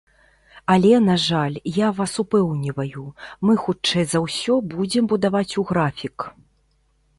Але, на жаль, я вас упэўніваю, мы, хутчэй за ўсё, будзем будаваць у графік.